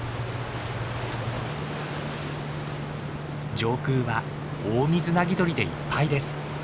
上空はオオミズナギドリでいっぱいです。